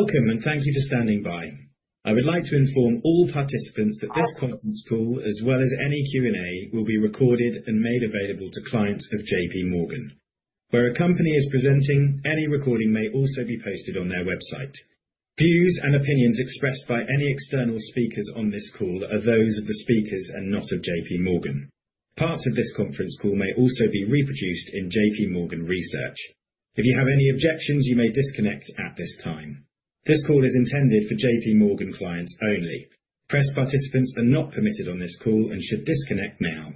Welcome, and thank you for standing by. I would like to inform all participants that this conference call, as well as any Q&A, will be recorded and made available to clients of J.P. Morgan. Where a company is presenting, any recording may also be posted on their website. Views and opinions expressed by any external speakers on this call are those of the speakers and not of J.P. Morgan. Parts of this conference call may also be reproduced in J.P. Morgan Research. If you have any objections, you may disconnect at this time. This call is intended for J.P. Morgan clients only. Press participants are not permitted on this call and should disconnect now.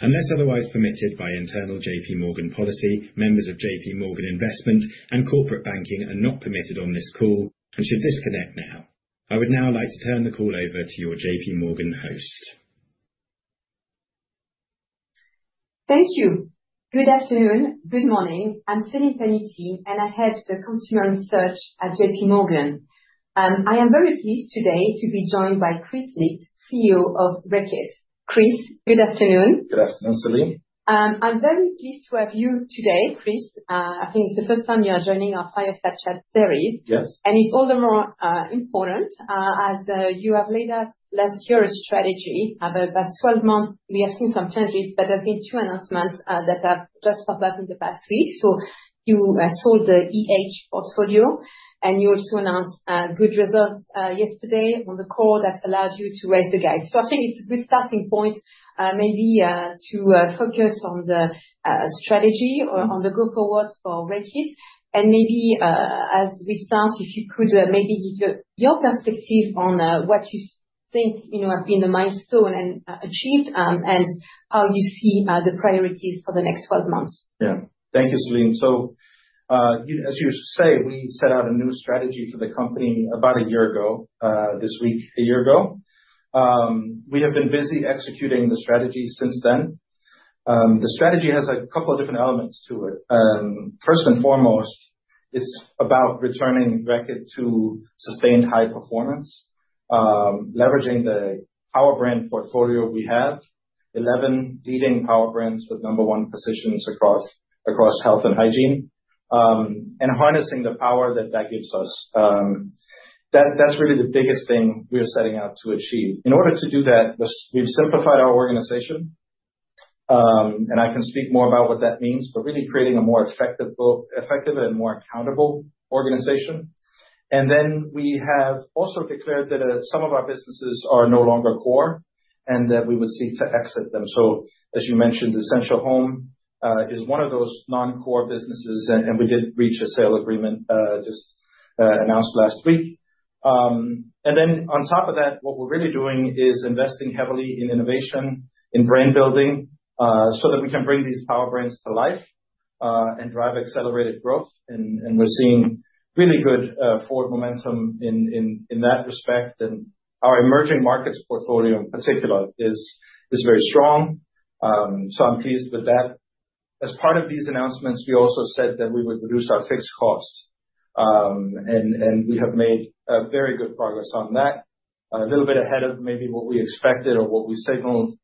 Unless otherwise permitted by internal J.P. Morgan policy, members of J.P. Morgan Investment and Corporate Banking are not permitted on this call and should disconnect now. I would now like to turn the call over to your J.P. Morgan host. Thank you. Good afternoon, good morning. I'm Celine Pannuti, and I head the Consumer Research at J.P. Morgan. I am very pleased today to be joined by Kris Licht, CEO of Reckitt. Kris, good afternoon. Good afternoon, Celine. I'm very pleased to have you today, Kris. I think it's the first time you are joining our Fireside Chat series. Yes. It's all the more important as you have laid out last year's strategy. Over the past 12 months, we have seen some changes, but there have been two announcements that have just popped up in the past week. You sold the portfolio, and you also announced good results yesterday on the call that allowed you to raise the guide. I think it's a good starting point maybe to focus on the strategy or on the go-forward for Reckitt. Maybe as we start, if you could maybe give your perspective on what you think have been the milestones achieved and how you see the priorities for the next 12 months. Yeah, thank you, Celine. So as you say, we set out a new strategy for the company about a year ago, this week, a year ago. We have been busy executing the strategy since then. The strategy has a couple of different elements to it. First and foremost, it's about returning Reckitt to sustained high performance, leveraging the Powerbrand portfolio we have, 11 leading Powerbrands with number one positions across health and hygiene, and harnessing the power that that gives us. That's really the biggest thing we are setting out to achieve. In order to do that, we've simplified our organization, and I can speak more about what that means, but really creating a more effective and more accountable organization. And then we have also declared that some of our businesses are no longer core and that we would seek to exit them. As you mentioned, Essential Home is one of those non-core businesses, and we did reach a sale agreement just announced last week. And then on top of that, what we're really doing is investing heavily in innovation, in brand building so that we can bring these Powerbrands to life and drive accelerated growth. And we're seeing really good forward momentum in that respect. And our emerging markets portfolio in particular is very strong, so I'm pleased with that. As part of these announcements, we also said that we would reduce our fixed costs, and we have made very good progress on that, a little bit ahead of maybe what we expected or what we signaled.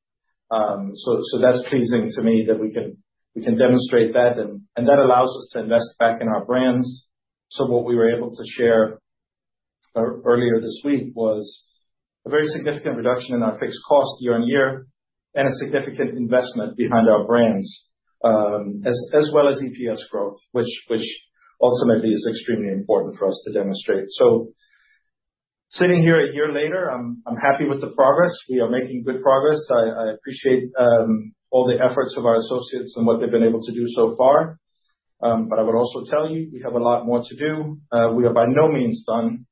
That's pleasing to me that we can demonstrate that, and that allows us to invest back in our brands. So what we were able to share earlier this week was a very significant reduction in our fixed cost year on year and a significant investment behind our brands, as well as EPS growth, which ultimately is extremely important for us to demonstrate. So sitting here a year later, I'm happy with the progress. We are making good progress. I appreciate all the efforts of our associates and what they've been able to do so far. But I would also tell you we have a lot more to do. We are by no means done.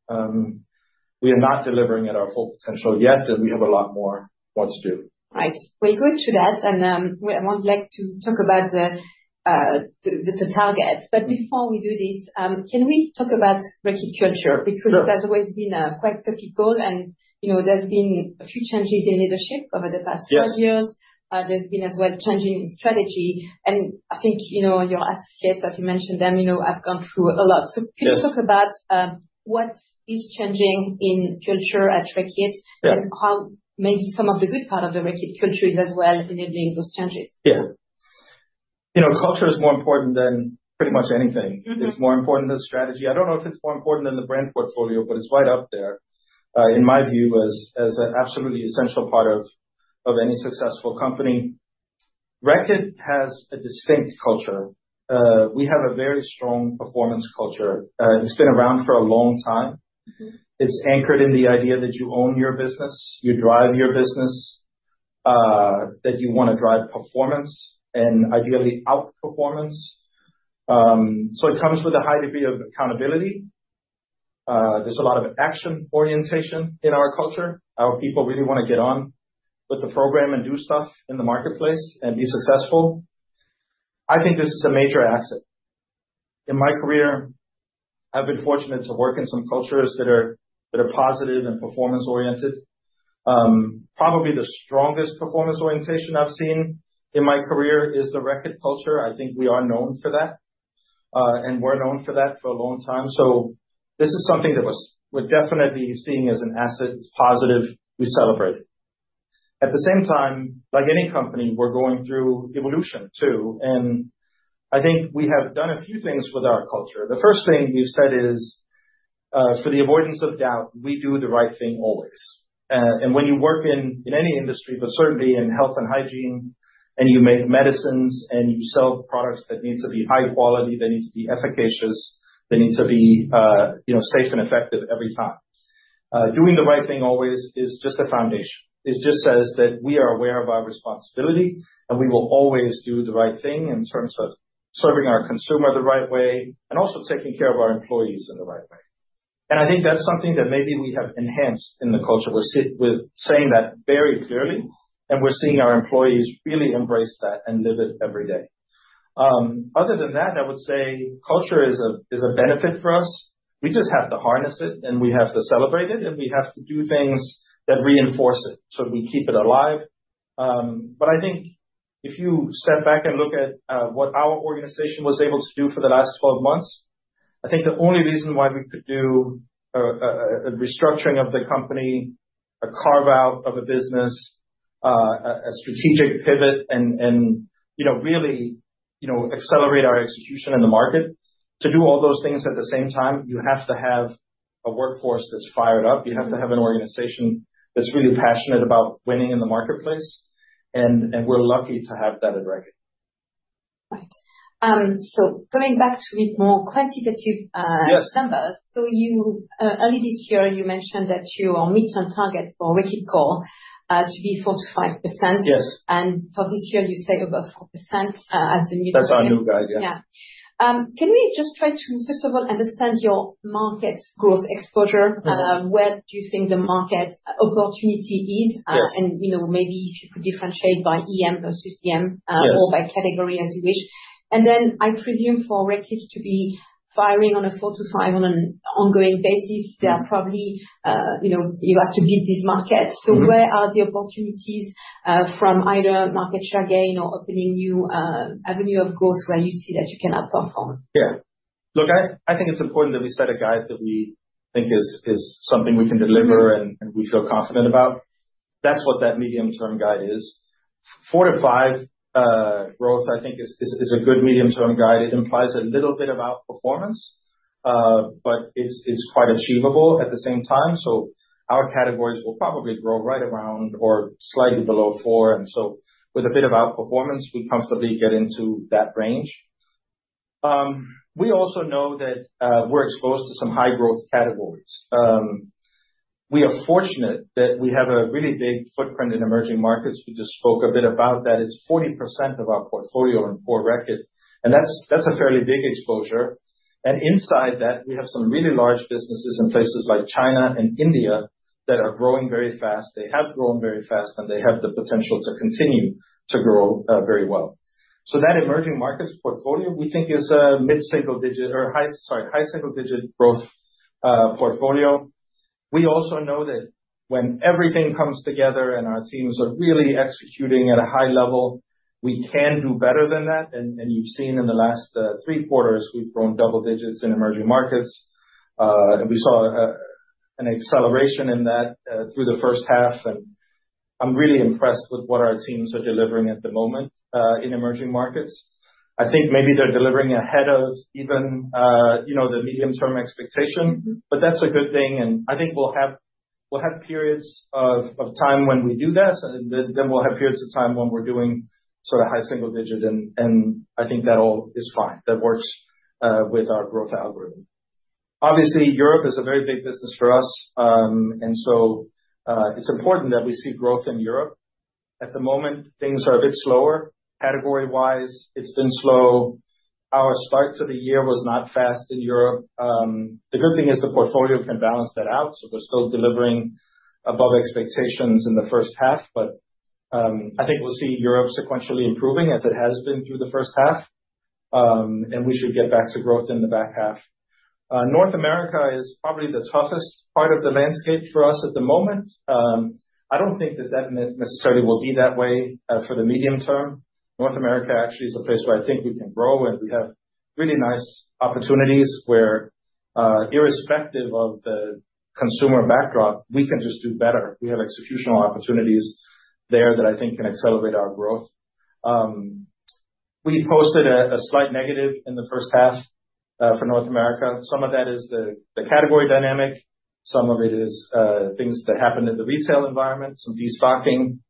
We are not delivering at our full potential yet, and we have a lot more to do. Right. We're good to that, and I would like to talk about the targets. But before we do this, can we talk about Reckitt culture? Because that's always been quite typical, and there's been a few changes in leadership over the past five years. There's been as well changing in strategy. And I think your associates, as you mentioned them, have gone through a lot. So can you talk about what is changing in culture at Reckitt and how maybe some of the good part of the Reckitt culture is as well enabling those changes? Yeah. Culture is more important than pretty much anything. It's more important than strategy. I don't know if it's more important than the brand portfolio, but it's right up there, in my view, as an absolutely essential part of any successful company. Reckitt has a distinct culture. We have a very strong performance culture. It's been around for a long time. It's anchored in the idea that you own your business, you drive your business, that you want to drive performance and ideally outperformance. So it comes with a high degree of accountability. There's a lot of action orientation in our culture. Our people really want to get on with the program and do stuff in the marketplace and be successful. I think this is a major asset. In my career, I've been fortunate to work in some cultures that are positive and performance-oriented. Probably the strongest performance orientation I've seen in my career is the Reckitt culture. I think we are known for that, and we're known for that for a long time. So this is something that we're definitely seeing as an asset. It's positive. We celebrate it. At the same time, like any company, we're going through evolution too. And I think we have done a few things with our culture. The first thing we've said is, for the avoidance of doubt, we do the right thing always. And when you work in any industry, but certainly in health and hygiene, and you make medicines and you sell products that need to be high quality, they need to be efficacious, they need to be safe and effective every time. Doing the right thing always is just a foundation. It just says that we are aware of our responsibility and we will always do the right thing in terms of serving our consumer the right way and also taking care of our employees in the right way. And I think that's something that maybe we have enhanced in the culture. We're saying that very clearly, and we're seeing our employees really embrace that and live it every day. Other than that, I would say culture is a benefit for us. We just have to harness it, and we have to celebrate it, and we have to do things that reinforce it so we keep it alive. But I think if you step back and look at what our organization was able to do for the last 12 months. I think the only reason why we could do a restructuring of the company, a carve-out of a business, a strategic pivot, and really accelerate our execution in the market to do all those things at the same time, you have to have a workforce that's fired up. You have to have an organization that's really passionate about winning in the marketplace, and we're lucky to have that at Reckitt. Right. So coming back to read more quantitative numbers. So early this year, you mentioned that your midterm target for Reckitt Core to be 4%-5%. And for this year, you say above 4% as the new target. That's our new guide, yeah. Yeah. Can we just try to, first of all, understand your market growth exposure? Where do you think the market opportunity is? And maybe if you could differentiate by EM versus DM or by category as you wish. And then I presume for Reckitt to be firing on a four to five on an ongoing basis, there are probably you have to beat these markets. So where are the opportunities from either market share gain or opening new avenues of growth where you see that you cannot perform? Yeah. Look, I think it's important that we set a guide that we think is something we can deliver and we feel confident about. That's what that medium-term guide is. 4%-5% growth, I think, is a good medium-term guide. It implies a little bit of outperformance, but it's quite achievable at the same time. So our categories will probably grow right around or slightly below 4%. And so with a bit of outperformance, we comfortably get into that range. We also know that we're exposed to some high-growth categories. We are fortunate that we have a really big footprint in emerging markets. We just spoke a bit about that. It's 40% of our portfolio in Core Reckitt, and that's a fairly big exposure. And inside that, we have some really large businesses in places like China and India that are growing very fast. They have grown very fast, and they have the potential to continue to grow very well. So that emerging markets portfolio, we think, is a mid-single digit or high, sorry, high single-digit growth portfolio. We also know that when everything comes together and our teams are really executing at a high level, we can do better than that. And you've seen in the last three quarters, we've grown double digits in emerging markets. And we saw an acceleration in that through the first half. And I'm really impressed with what our teams are delivering at the moment in emerging markets. I think maybe they're delivering ahead of even the medium-term expectation, but that's a good thing. And I think we'll have periods of time when we do that, and then we'll have periods of time when we're doing sort of high single digit. And I think that all is fine. That works with our growth algorithm. Obviously, Europe is a very big business for us, and so it's important that we see growth in Europe. At the moment, things are a bit slower category-wise. It's been slow. Our start to the year was not fast in Europe. The good thing is the portfolio can balance that out. So we're still delivering above expectations in the first half, but I think we'll see Europe sequentially improving as it has been through the first half, and we should get back to growth in the back half. North America is probably the toughest part of the landscape for us at the moment. I don't think that that necessarily will be that way for the medium term. North America actually is a place where I think we can grow, and we have really nice opportunities where, irrespective of the consumer backdrop, we can just do better. We have executional opportunities there that I think can accelerate our growth. We posted a slight negative in the first half for North America. Some of that is the category dynamic. Some of it is things that happened in the retail environment, some destocking.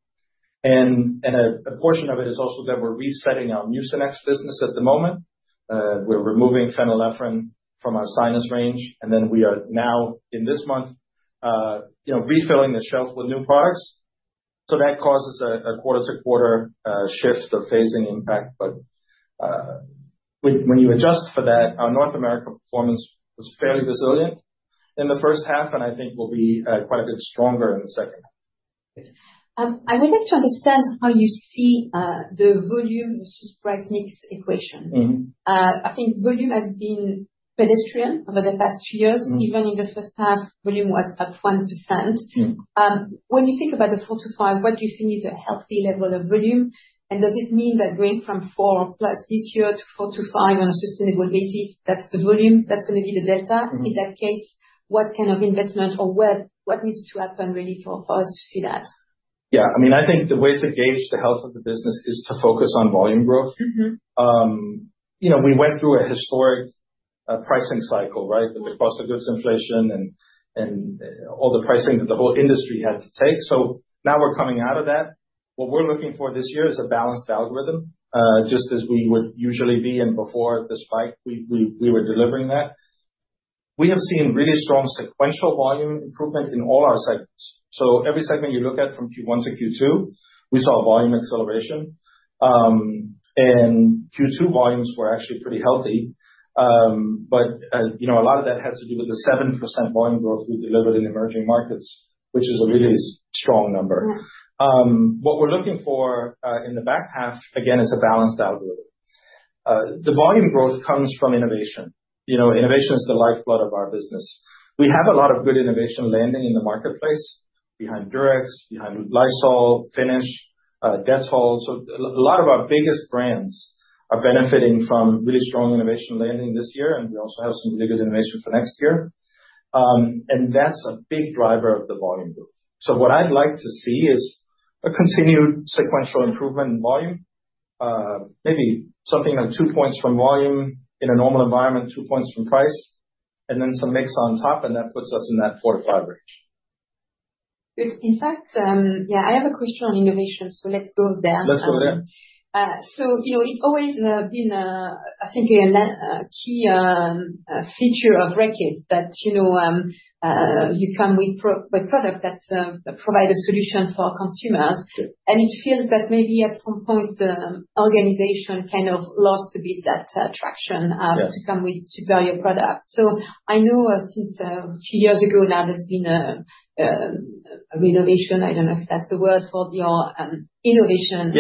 And a portion of it is also that we're resetting our Mucinex business at the moment. We're removing phenylephrine from our sinus range, and then we are now, in this month, refilling the shelf with new products. So that causes a quarter-to-quarter shift of phasing impact. But when you adjust for that, our North America performance was fairly resilient in the first half, and I think will be quite a bit stronger in the second half. I would like to understand how you see the volume versus price mix equation. I think volume has been pedestrian over the past two years. Even in the first half, volume was up 1%. When you think about the 4%-5%, what do you think is a healthy level of volume? And does it mean that going from 4% plus this year to 4%-5% on a sustainable basis, that's good volume? That's going to be the delta in that case. What kind of investment or what needs to happen really for us to see that? Yeah. I mean, I think the way to gauge the health of the business is to focus on volume growth. We went through a historic pricing cycle, right, with the cost of goods inflation and all the pricing that the whole industry had to take. So now we're coming out of that. What we're looking for this year is a balanced algorithm, just as we would usually be in before the spike we were delivering that. We have seen really strong sequential volume improvement in all our segments. So every segment you look at from Q1 to Q2, we saw volume acceleration. And Q2 volumes were actually pretty healthy, but a lot of that had to do with the 7% volume growth we delivered in emerging markets, which is a really strong number. What we're looking for in the back half, again, is a balanced algorithm. The volume growth comes from innovation. Innovation is the lifeblood of our business. We have a lot of good innovation landing in the marketplace behind Durex, behind Lysol, Finish, Dettol. So a lot of our biggest brands are benefiting from really strong innovation landing this year, and we also have some really good innovation for next year. And that's a big driver of the volume growth. So what I'd like to see is a continued sequential improvement in volume, maybe something like two points from volume in a normal environment, two points from price, and then some mix on top, and that puts us in that 4 to 5 range. Good. In fact, yeah, I have a question on innovation, so let's go there. Let's go there. So it's always been, I think, a key feature of Reckitt that you come with products that provide a solution for consumers. And it feels that maybe at some point, the organization kind of lost a bit that traction to come with superior products. So I know since a few years ago now there's been a renovation. I don't know if that's the word for your innovation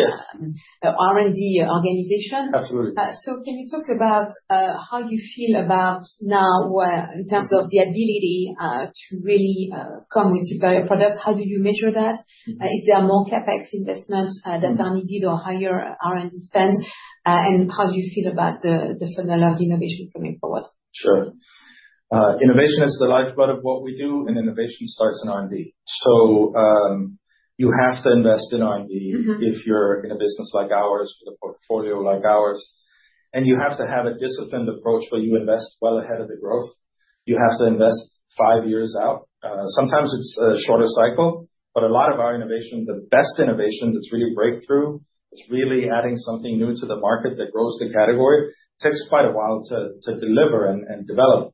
R&D organization. Absolutely. So can you talk about how you feel about now in terms of the ability to really come with superior products? How do you measure that? Is there more CapEx investment that's unneeded or higher R&D spend? And how do you feel about the phenomenon of innovation coming forward? Sure. Innovation is the lifeblood of what we do, and innovation starts in R&D. So you have to invest in R&D if you're in a business like ours with a portfolio like ours. You have to have a disciplined approach where you invest well ahead of the growth. You have to invest five years out. Sometimes it's a shorter cycle, but a lot of our innovation, the best innovation that's really breakthrough, that's really adding something new to the market that grows the category, takes quite a while to deliver and develop,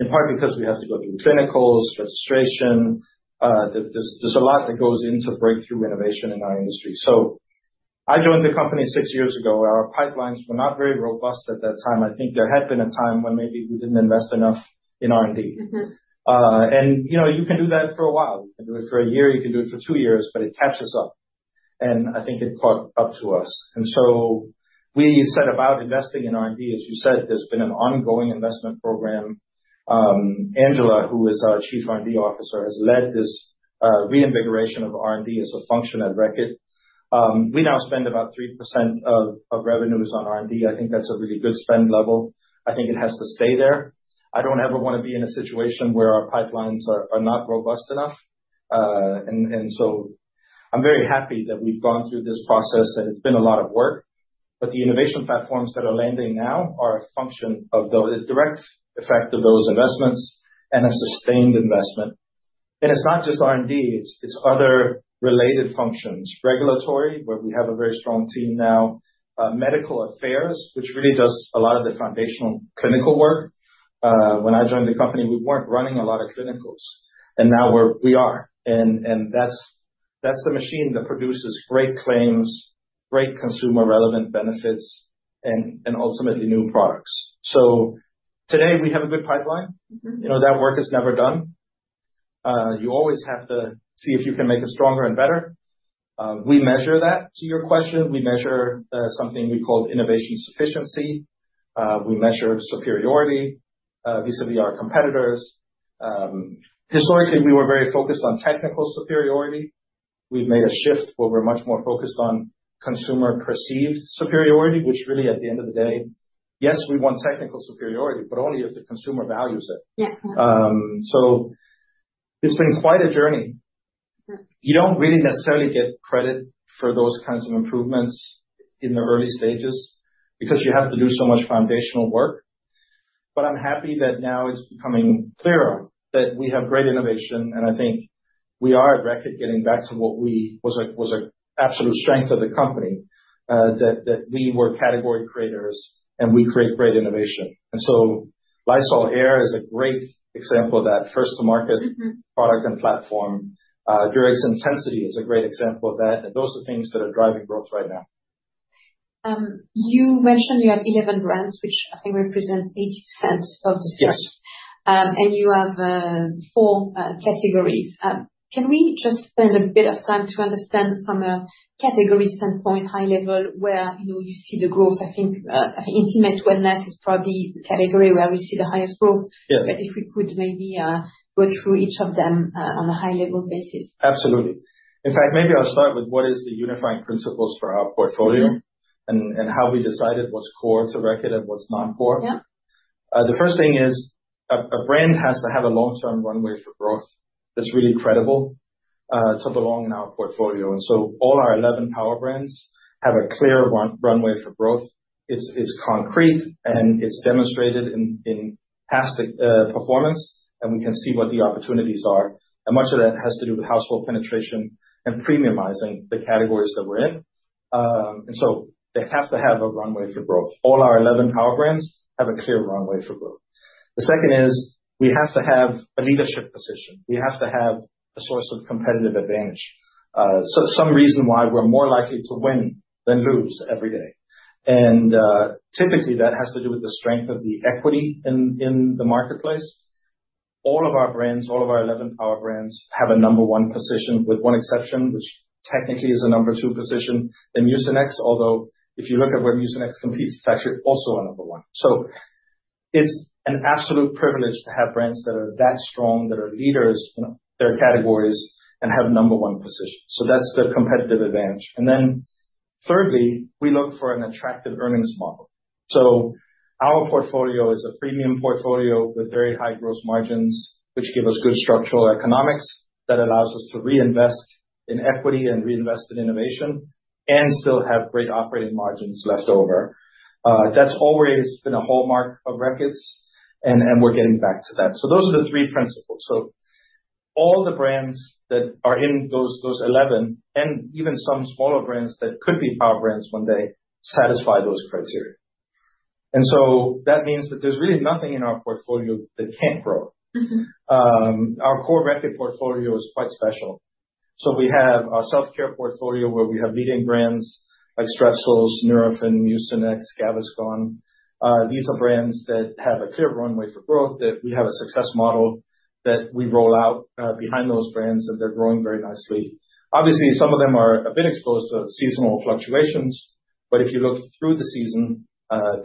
in part because we have to go through clinicals, registration. There's a lot that goes into breakthrough innovation in our industry. I joined the company six years ago. Our pipelines were not very robust at that time. I think there had been a time when maybe we didn't invest enough in R&D. You can do that for a while. You can do it for a year. You can do it for two years, but it catches up. I think it caught up to us. We set about investing in R&D. As you said, there's been an ongoing investment program. Angela, who is our Chief R&D Officer, has led this reinvigoration of R&D as a function at Reckitt. We now spend about 3% of revenues on R&D. I think that's a really good spend level. I think it has to stay there. I don't ever want to be in a situation where our pipelines are not robust enough. I'm very happy that we've gone through this process, and it's been a lot of work. The innovation platforms that are landing now are a function of the direct effect of those investments and a sustained investment. It's not just R&D. It's other related functions, regulatory, where we have a very strong team now, medical affairs, which really does a lot of the foundational clinical work. When I joined the company, we weren't running a lot of clinicals, and now we are. That's the machine that produces great claims, great consumer-relevant benefits, and ultimately new products. Today we have a good pipeline. That work is never done. You always have to see if you can make it stronger and better. We measure that, to your question. We measure something we call innovation sufficiency. We measure superiority vis-à-vis our competitors. Historically, we were very focused on technical superiority. We've made a shift where we're much more focused on consumer-perceived superiority, which really, at the end of the day, yes, we want technical superiority, but only if the consumer values it. So it's been quite a journey. You don't really necessarily get credit for those kinds of improvements in the early stages because you have to do so much foundational work. But I'm happy that now it's becoming clearer that we have great innovation. And I think we are at Reckitt getting back to what was an absolute strength of the company, that we were category creators and we create great innovation. And so Lysol Air is a great example of that first-to-market product and platform. Durex Intensity is a great example of that. And those are things that are driving growth right now. You mentioned you have 11 brands, which I think represent 80% of the source, and you have four categories. Can we just spend a bit of time to understand from a category standpoint, high level, where you see the growth? I think intimate wellness is probably the category where we see the highest growth. But if we could maybe go through each of them on a high-level basis. Absolutely. In fact, maybe I'll start with what is the unifying principles for our portfolio and how we decided what's core to Reckitt and what's non-core. The first thing is a brand has to have a long-term runway for growth that's really credible to belong in our portfolio. And so all our 11 Powerbrands have a clear runway for growth. It's concrete, and it's demonstrated in past performance, and we can see what the opportunities are. And much of that has to do with household penetration and premiumizing the categories that we're in. And so they have to have a runway for growth. All our 11 Powerbrands have a clear runway for growth. The second is we have to have a leadership position. We have to have a source of competitive advantage, some reason why we're more likely to win than lose every day. Typically, that has to do with the strength of the equity in the marketplace. All of our brands, all of our 11 powerbrands have a number one position with one exception, which technically is a number two position in Mucinex, although if you look at where Mucinex competes, it's actually also a number one. It's an absolute privilege to have brands that are that strong, that are leaders in their categories, and have number one position. That's the competitive advantage. Then thirdly, we look for an attractive earnings model. Our portfolio is a premium portfolio with very high gross margins, which give us good structural economics that allows us to reinvest in equity and reinvest in innovation and still have great operating margins left over. That's always been a hallmark of Reckitt's, and we're getting back to that. Those are the three principles. All the brands that are in those 11 and even some smaller brands that could be Powerbrands when they satisfy those criteria. And so that means that there's really nothing in our portfolio that can't grow. Our Core Reckitt portfolio is quite special. So we have our self-care portfolio where we have leading brands like Strepsils, Nurofen, Mucinex, Gaviscon. These are brands that have a clear runway for growth, that we have a success model that we roll out behind those brands, and they're growing very nicely. Obviously, some of them are a bit exposed to seasonal fluctuations, but if you look through the season,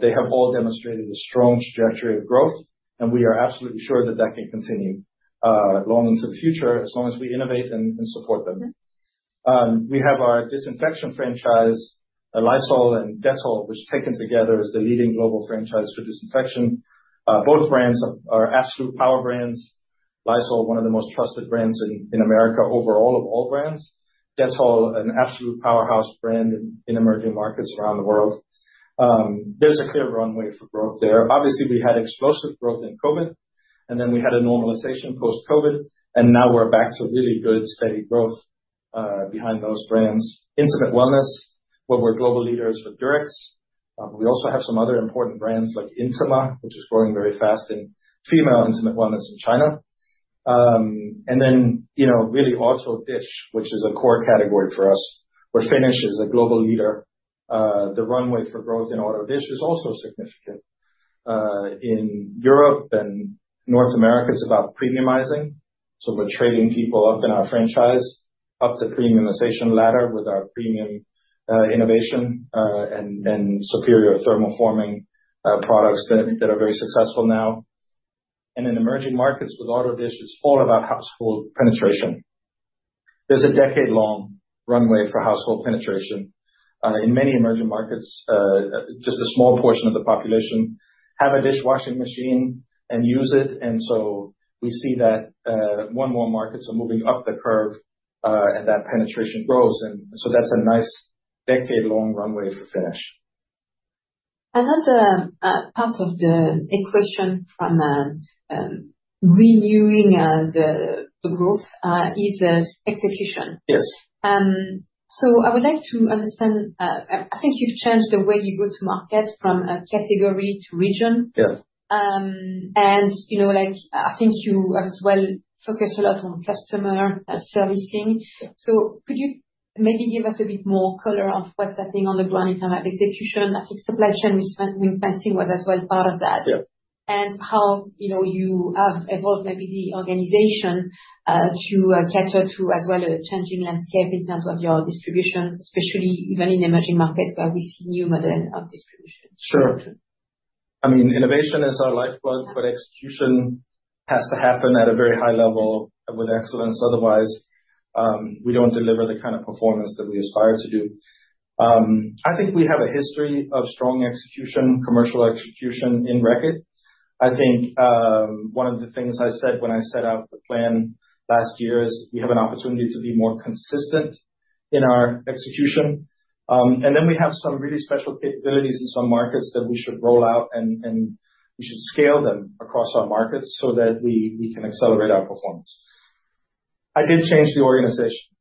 they have all demonstrated a strong trajectory of growth, and we are absolutely sure that that can continue long into the future as long as we innovate and support them. We have our disinfection franchise, Lysol and Dettol, which taken together is the leading global franchise for disinfection. Both brands are absolute Powerbrands. Lysol, one of the most trusted brands in America overall of all brands. Dettol, an absolute powerhouse brand in emerging markets around the world. There's a clear runway for growth there. Obviously, we had explosive growth in COVID, and then we had a normalization post-COVID, and now we're back to really good steady growth behind those brands. Intimate wellness, where we're global leaders with Durex. We also have some other important brands like Intima, which is growing very fast in female intimate wellness in China. Then really auto dish, which is a core category for us, where Finish is a global leader. The runway for growth in auto dish is also significant. In Europe and North America, it's about premiumizing. We're trading people up in our franchise up the premiumization ladder with our premium innovation and superior thermoforming products that are very successful now. In emerging markets with auto dish, it's all about household penetration. There's a decade-long runway for household penetration. In many emerging markets, just a small portion of the population have a dishwashing machine and use it. We see that in more markets are moving up the curve and that penetration grows. That's a nice decade-long runway for Finish. Another part of the equation from renewing the growth is execution. Yes. So I would like to understand. I think you've changed the way you go to market from category to region. Yeah. And I think you have as well focused a lot on customer servicing. So could you maybe give us a bit more color of what's happening on the ground in terms of execution? I think supply chain financing was as well part of that. Yeah. How you have evolved maybe the organization to cater to as well a changing landscape in terms of your distribution, especially even in emerging markets where we see new models of distribution? Sure. I mean, innovation is our lifeblood, but execution has to happen at a very high level with excellence. Otherwise, we don't deliver the kind of performance that we aspire to do. I think we have a history of strong execution, commercial execution in Reckitt. I think one of the things I said when I set out the plan last year is we have an opportunity to be more consistent in our execution. And then we have some really special capabilities in some markets that we should roll out, and we should scale them across our markets so that we can accelerate our performance. I did change the organization.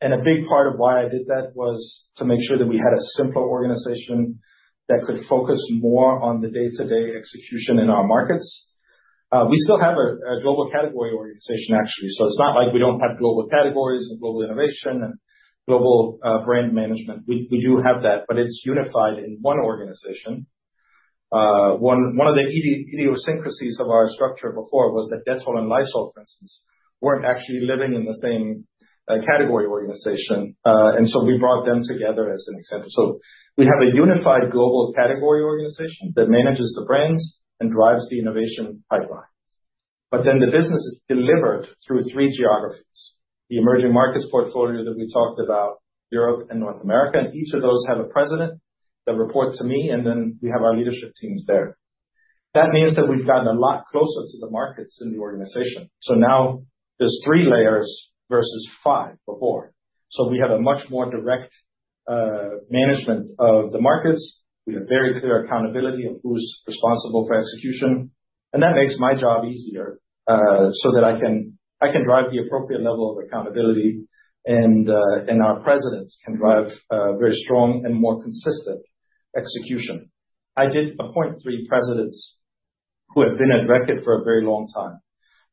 And a big part of why I did that was to make sure that we had a simpler organization that could focus more on the day-to-day execution in our markets. We still have a global category organization, actually. It's not like we don't have global categories and global innovation and global brand management. We do have that, but it's unified in one organization. One of the idiosyncrasies of our structure before was that Dettol and Lysol, for instance, weren't actually living in the same category organization. And so we brought them together as an example. So we have a unified global category organization that manages the brands and drives the innovation pipeline. But then the business is delivered through three geographies: the emerging markets portfolio that we talked about, Europe, and North America. And each of those has a president that reports to me, and then we have our leadership teams there. That means that we've gotten a lot closer to the markets in the organization. So now there's three layers versus five before. So we have a much more direct management of the markets. We have very clear accountability of who's responsible for execution. And that makes my job easier so that I can drive the appropriate level of accountability, and our presidents can drive very strong and more consistent execution. I did appoint three presidents who have been at Reckitt for a very long time.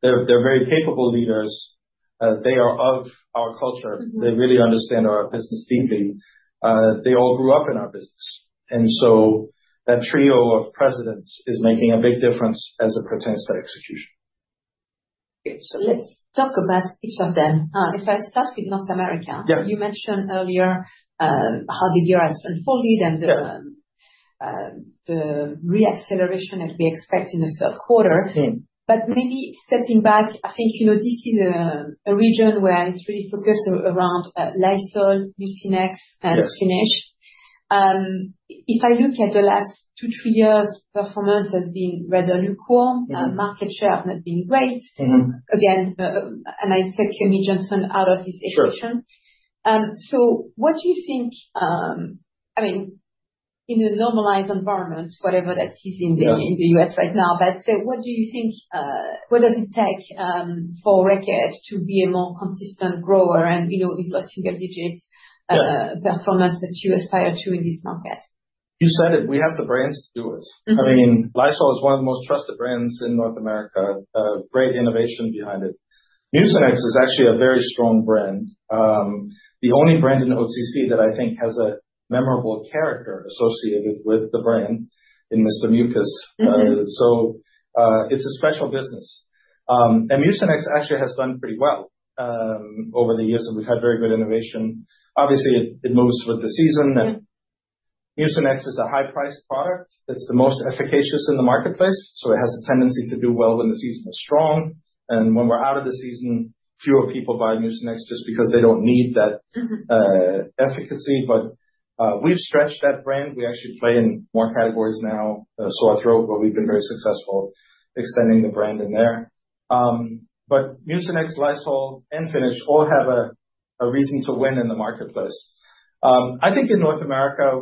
They're very capable leaders. They are of our culture. They really understand our business deeply. They all grew up in our business. And so that trio of presidents is making a big difference as it pertains to execution. Okay, so let's talk about each of them. If I start with North America, you mentioned earlier how the year has unfolded and the reacceleration that we expect in the third quarter, but maybe stepping back, I think this is a region where it's really focused around Lysol, Mucinex, and Finish. If I look at the last two, three years, performance has been rather lukewarm. Market share has not been great. Again and I take Mead Johnson out of this equation, so what do you think? I mean, in a normalized environment, whatever that is in the U.S. right now, but what do you think? What does it take for Reckitt to be a more consistent grower and with single-digit performance that you aspire to in this market? You said it. We have the brands to do it. I mean, Lysol is one of the most trusted brands in North America. Great innovation behind it. Mucinex is actually a very strong brand. The only brand in OTC that I think has a memorable character associated with the brand in Mr. Mucus. So it's a special business. And Mucinex actually has done pretty well over the years, and we've had very good innovation. Obviously, it moves with the season. Mucinex is a high-priced product. It's the most efficacious in the marketplace. So it has a tendency to do well when the season is strong. And when we're out of the season, fewer people buy Mucinex just because they don't need that efficacy. But we've stretched that brand. We actually play in more categories now, sore throat, where we've been very successful extending the brand in there. Mucinex, Lysol, and Finish all have a reason to win in the marketplace. I think in North America,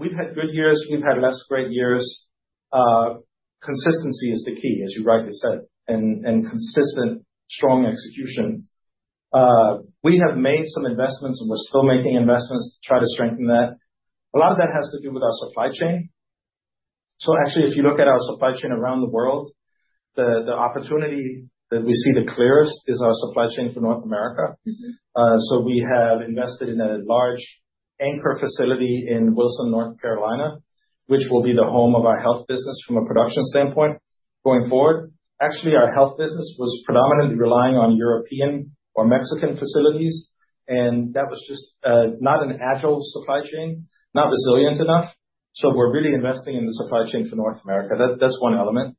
we've had good years. We've had less great years. Consistency is the key, as you rightly said, and consistent, strong execution. We have made some investments, and we're still making investments to try to strengthen that. A lot of that has to do with our supply chain. So actually, if you look at our supply chain around the world, the opportunity that we see the clearest is our supply chain for North America. So we have invested in a large anchor facility in Wilson, North Carolina, which will be the home of our health business from a production standpoint going forward. Actually, our health business was predominantly relying on European or Mexican facilities, and that was just not an agile supply chain, not resilient enough. So we're really investing in the supply chain for North America. That's one element.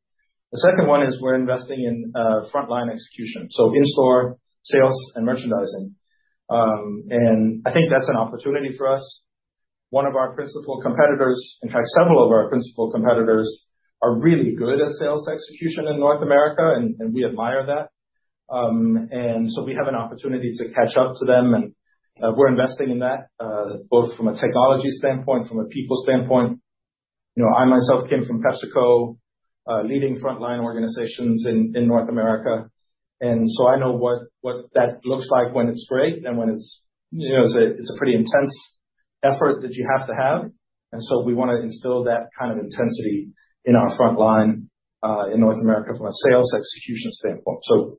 The second one is we're investing in frontline execution, so in-store sales and merchandising. And I think that's an opportunity for us. One of our principal competitors, in fact, several of our principal competitors are really good at sales execution in North America, and we admire that. And so we have an opportunity to catch up to them, and we're investing in that both from a technology standpoint, from a people standpoint. I myself came from PepsiCo, leading frontline organizations in North America. And so I know what that looks like when it's great and when it's a pretty intense effort that you have to have. And so we want to instill that kind of intensity in our frontline in North America from a sales execution standpoint. So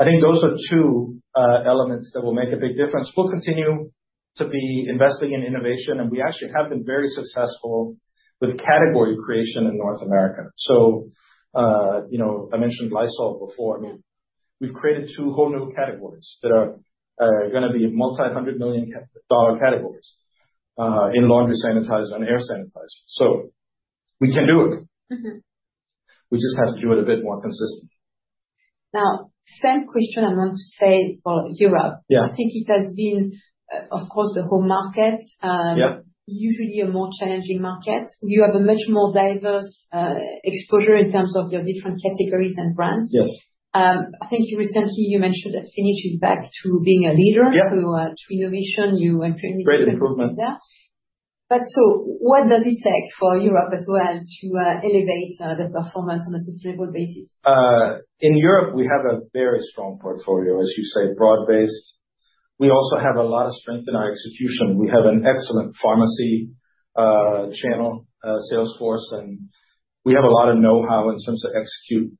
I think those are two elements that will make a big difference. We'll continue to be investing in innovation, and we actually have been very successful with category creation in North America. So I mentioned Lysol before. I mean, we've created two whole new categories that are going to be multi-hundred million dollar categories in laundry sanitizer and air sanitizer. So we can do it. We just have to do it a bit more consistently. Now, same question I want to say for Europe. I think it has been, of course, the whole market, usually a more challenging market. You have a much more diverse exposure in terms of your different categories and brands. Yes. I think recently you mentioned that Finish is back to being a leader through innovation. You improved there. Great improvement. But so what does it take for Europe as well to elevate the performance on a sustainable basis? In Europe, we have a very strong portfolio, as you say, broad-based. We also have a lot of strength in our execution. We have an excellent pharmacy channel, sales force, and we have a lot of know-how in terms of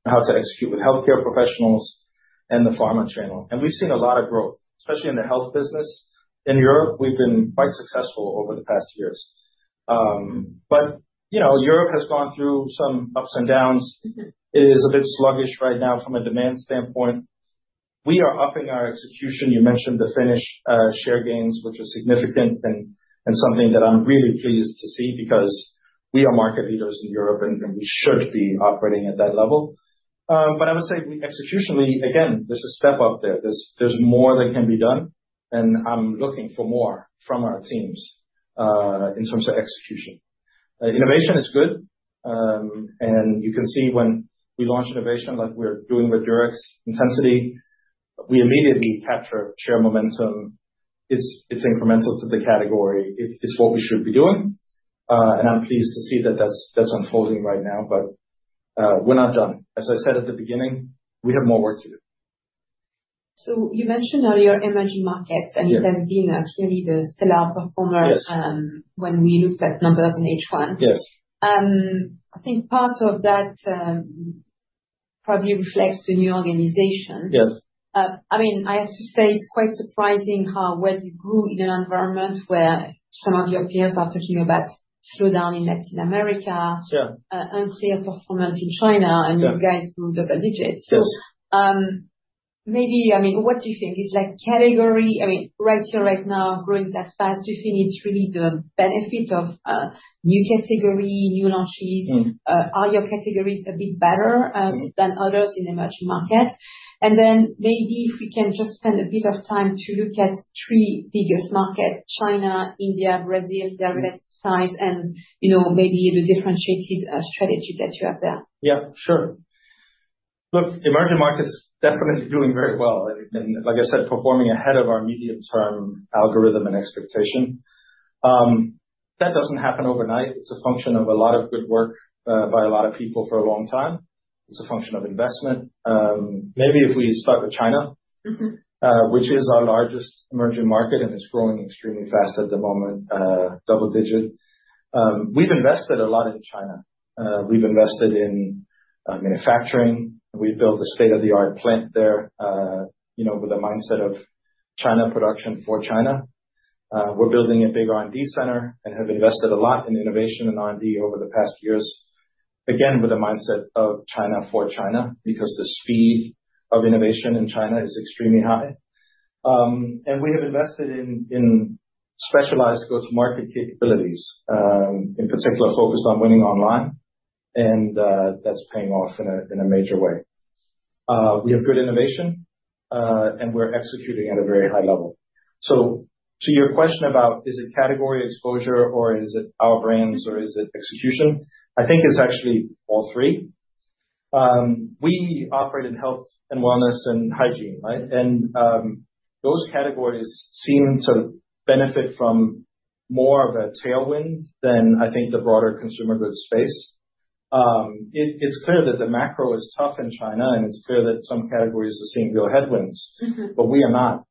how to execute with healthcare professionals and the pharma channel. And we've seen a lot of growth, especially in the health business. In Europe, we've been quite successful over the past years. But Europe has gone through some ups and downs. It is a bit sluggish right now from a demand standpoint. We are upping our execution. You mentioned the Finish share gains, which are significant and something that I'm really pleased to see because we are market leaders in Europe, and we should be operating at that level. But I would say executionally, again, there's a step up there. There's more that can be done, and I'm looking for more from our teams in terms of execution. Innovation is good, and you can see when we launch innovation like we're doing with Durex Intensity, we immediately capture share momentum. It's incremental to the category. It's what we should be doing. And I'm pleased to see that that's unfolding right now, but we're not done. As I said at the beginning, we have more work to do. So you mentioned earlier emerging markets, and it has been clearly the stellar performer when we looked at numbers in H1. Yes. I think part of that probably reflects the new organization. Yes. I mean, I have to say it's quite surprising how well you grew in an environment where some of your peers are talking about slowdown in Latin America, unclear performance in China, and you guys grew double digits. Yes. So maybe, I mean, what do you think? Is category, I mean, right here, right now, growing that fast? Do you think it's really the benefit of new category, new launches? Are your categories a bit better than others in emerging markets? And then maybe if we can just spend a bit of time to look at three biggest markets: China, India, Brazil, their relative size, and maybe the differentiated strategy that you have there. Yeah, sure. Look, emerging markets are definitely doing very well. And like I said, performing ahead of our medium-term algorithm and expectation. That doesn't happen overnight. It's a function of a lot of good work by a lot of people for a long time. It's a function of investment. Maybe if we start with China, which is our largest emerging market, and it's growing extremely fast at the moment, double-digit. We've invested a lot in China. We've invested in manufacturing. We've built a state-of-the-art plant there with a mindset of China production for China. We're building a big R&D center and have invested a lot in innovation and R&D over the past years, again, with a mindset of China for China because the speed of innovation in China is extremely high. And we have invested in specialized go-to-market capabilities, in particular focused on winning online, and that's paying off in a major way. We have good innovation, and we're executing at a very high level. So to your question about is it category exposure, or is it our brands, or is it execution, I think it's actually all three. We operate in health and wellness and hygiene, right? And those categories seem to benefit from more of a tailwind than I think the broader consumer goods space. It's clear that the macro is tough in China, and it's clear that some categories are seeing real headwinds, but we are not.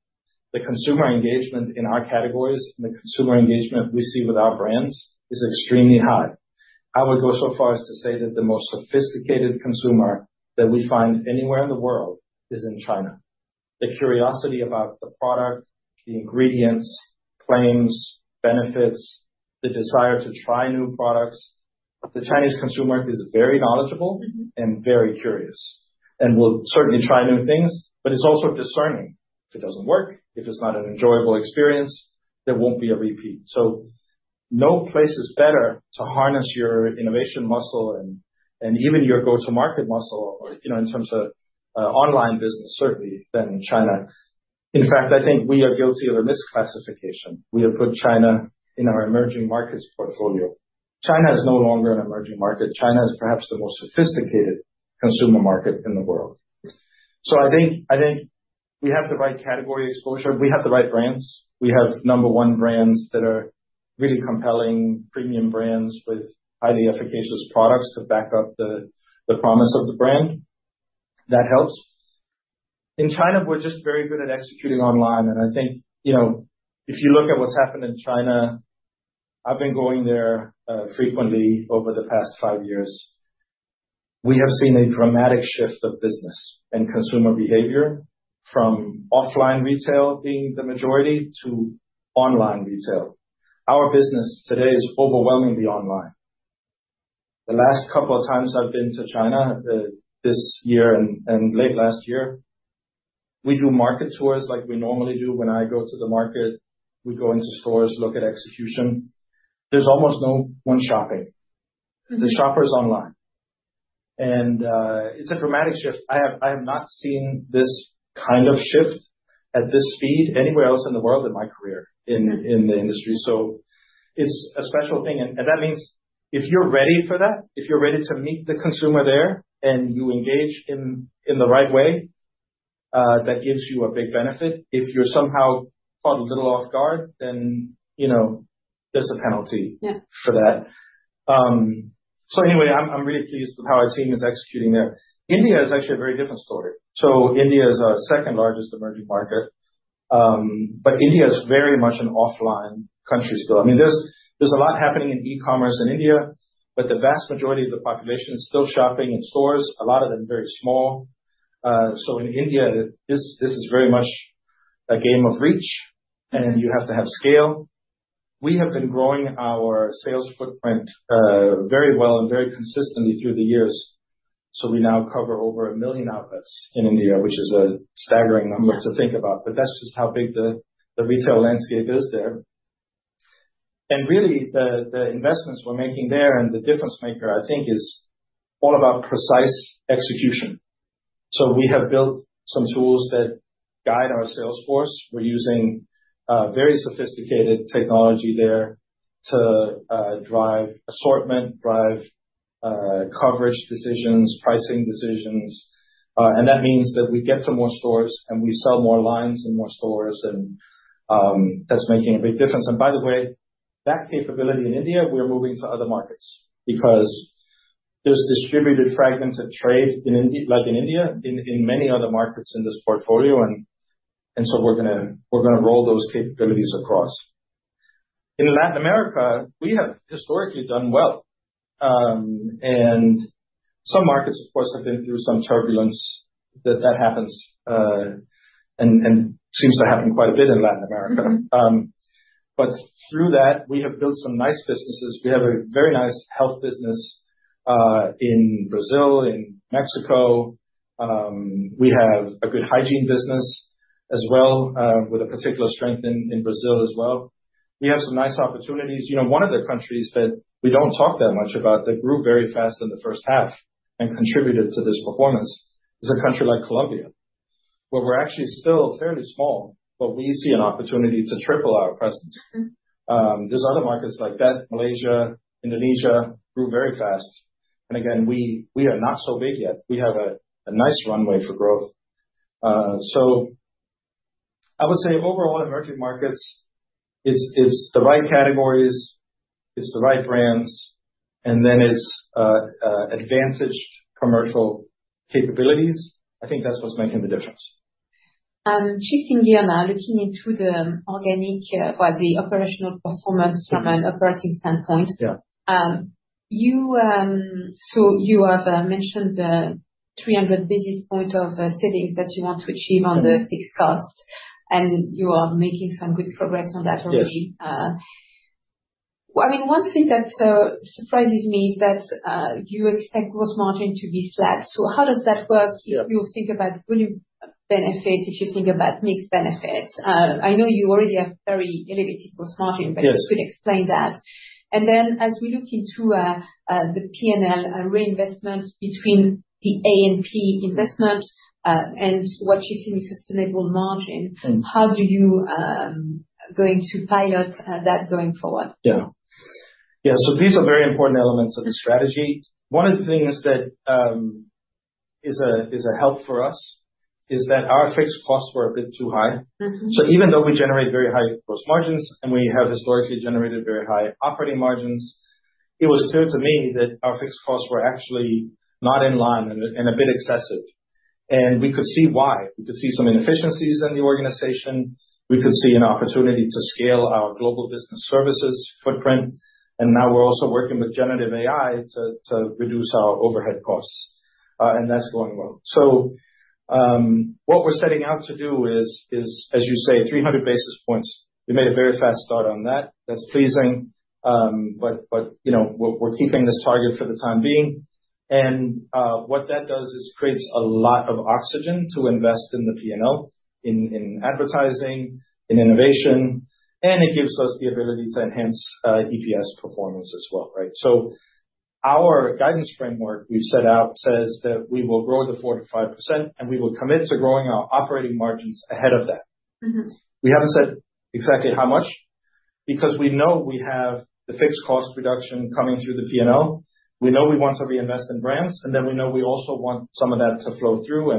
The consumer engagement in our categories and the consumer engagement we see with our brands is extremely high. I would go so far as to say that the most sophisticated consumer that we find anywhere in the world is in China. The curiosity about the product, the ingredients, claims, benefits, the desire to try new products. The Chinese consumer is very knowledgeable and very curious and will certainly try new things, but it's also discerning. If it doesn't work, if it's not an enjoyable experience, there won't be a repeat. So no place is better to harness your innovation muscle and even your go-to-market muscle in terms of online business, certainly, than China. In fact, I think we are guilty of a misclassification. We have put China in our emerging markets portfolio. China is no longer an emerging market. China is perhaps the most sophisticated consumer market in the world. So I think we have the right category exposure. We have the right brands. We have number one brands that are really compelling, premium brands with highly efficacious products to back up the promise of the brand. That helps. In China, we're just very good at executing online, and I think if you look at what's happened in China, I've been going there frequently over the past five years. We have seen a dramatic shift of business and consumer behavior from offline retail being the majority to online retail. Our business today is overwhelmingly online. The last couple of times I've been to China this year and late last year, we do market tours like we normally do. When I go to the market, we go into stores, look at execution. There's almost no one shopping. The shopper is online, and it's a dramatic shift. I have not seen this kind of shift at this speed anywhere else in the world in my career in the industry, so it's a special thing. And that means if you're ready for that, if you're ready to meet the consumer there and you engage in the right way, that gives you a big benefit. If you're somehow caught a little off guard, then there's a penalty for that. So anyway, I'm really pleased with how our team is executing there. India is actually a very different story. So India is our second largest emerging market, but India is very much an offline country still. I mean, there's a lot happening in e-commerce in India, but the vast majority of the population is still shopping in stores, a lot of them very small. So in India, this is very much a game of reach, and you have to have scale. We have been growing our sales footprint very well and very consistently through the years. So we now cover over a million outlets in India, which is a staggering number to think about, but that's just how big the retail landscape is there. And really, the investments we're making there and the difference maker, I think, is all about precise execution. So we have built some tools that guide our sales force. We're using very sophisticated technology there to drive assortment, drive coverage decisions, pricing decisions. And that means that we get to more stores and we sell more lines in more stores, and that's making a big difference. And by the way, that capability in India, we're moving to other markets because there's distributed fragments of trade like in India, in many other markets in this portfolio. And so we're going to roll those capabilities across. In Latin America, we have historically done well. And some markets, of course, have been through some turbulence that happens and seems to happen quite a bit in Latin America. But through that, we have built some nice businesses. We have a very nice health business in Brazil, in Mexico. We have a good hygiene business as well with a particular strength in Brazil as well. We have some nice opportunities. One of the countries that we don't talk that much about that grew very fast in the first half and contributed to this performance is a country like Colombia, where we're actually still fairly small, but we see an opportunity to triple our presence. There's other markets like that, Malaysia, Indonesia grew very fast. And again, we are not so big yet. We have a nice runway for growth. So I would say overall emerging markets, it's the right categories, it's the right brands, and then it's advantaged commercial capabilities. I think that's what's making the difference. Shifting gear now, looking into the organic, well, the operational performance from an operating standpoint. So you have mentioned 300 basis points of savings that you want to achieve on the fixed cost, and you are making some good progress on that already. I mean, one thing that surprises me is that you expect gross margin to be flat. So how does that work if you think about volume benefits, if you think about mixed benefits? I know you already have very elevated gross margin, but you could explain that. And then as we look into the P&L reinvestment between the A&P investment and what you see as sustainable margin, how do you going to pilot that going forward? Yeah. Yeah. So these are very important elements of the strategy. One of the things that is a help for us is that our fixed costs were a bit too high. So even though we generate very high gross margins and we have historically generated very high operating margins, it was clear to me that our fixed costs were actually not in line and a bit excessive. And we could see why. We could see some inefficiencies in the organization. We could see an opportunity to scale our global business services footprint. And now we're also working with generative AI to reduce our overhead costs. And that's going well. So what we're setting out to do is, as you say, 300 basis points. We made a very fast start on that. That's pleasing, but we're keeping this target for the time being. And what that does is creates a lot of oxygen to invest in the P&L, in advertising, in innovation, and it gives us the ability to enhance EPS performance as well, right? So our guidance framework we've set out says that we will grow to 4%-5%, and we will commit to growing our operating margins ahead of that. We haven't said exactly how much because we know we have the fixed cost reduction coming through the P&L. We know we want to reinvest in brands, and then we know we also want some of that to flow through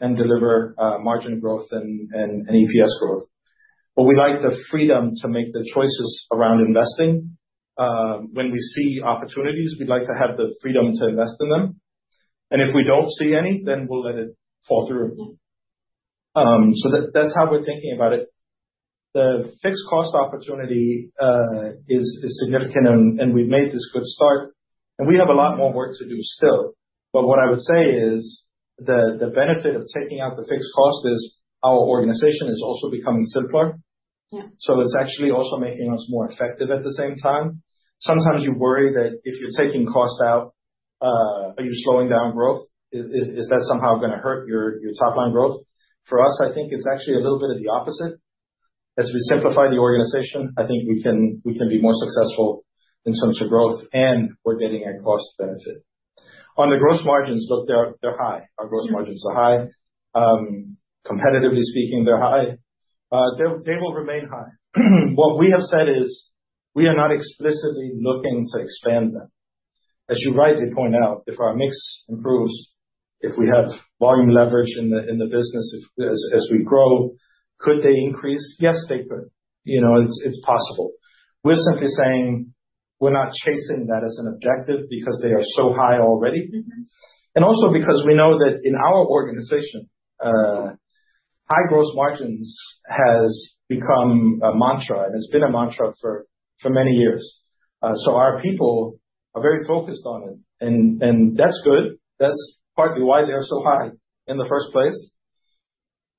and deliver margin growth and EPS growth. But we like the freedom to make the choices around investing. When we see opportunities, we'd like to have the freedom to invest in them. And if we don't see any, then we'll let it fall through. That's how we're thinking about it. The fixed cost opportunity is significant, and we've made this good start. And we have a lot more work to do still. But what I would say is the benefit of taking out the fixed cost is our organization is also becoming simpler. So it's actually also making us more effective at the same time. Sometimes you worry that if you're taking costs out, are you slowing down growth? Is that somehow going to hurt your top-line growth? For us, I think it's actually a little bit of the opposite. As we simplify the organization, I think we can be more successful in terms of growth, and we're getting a cost benefit. On the gross margins, look, they're high. Our gross margins are high. Competitively speaking, they're high. They will remain high. What we have said is we are not explicitly looking to expand them. As you rightly point out, if our mix improves, if we have volume leverage in the business as we grow, could they increase? Yes, they could. It's possible. We're simply saying we're not chasing that as an objective because they are so high already, and also because we know that in our organization, high gross margins has become a mantra, and it's been a mantra for many years, so our people are very focused on it, and that's good. That's partly why they're so high in the first place,